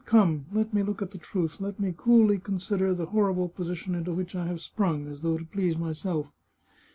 Come, let me look at the truth; let me coolly consider the horrible position into which I have sprung, as though to please myself.